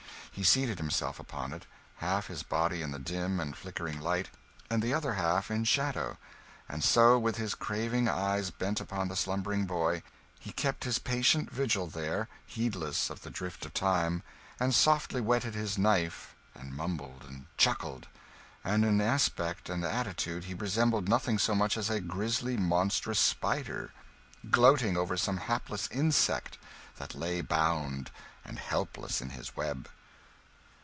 He seated himself upon it, half his body in the dim and flickering light, and the other half in shadow; and so, with his craving eyes bent upon the slumbering boy, he kept his patient vigil there, heedless of the drift of time, and softly whetted his knife, and mumbled and chuckled; and in aspect and attitude he resembled nothing so much as a grizzly, monstrous spider, gloating over some hapless insect that lay bound and helpless in his web.